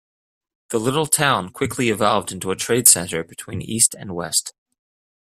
The little town quickly evolved into a trade center between east and west.